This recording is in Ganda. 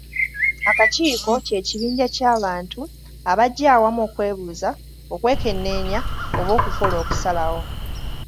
Akakiiko kye kibinja ky'abantu abajja awamu okwebuuza, okwekenneenya oba okukola okusalawo.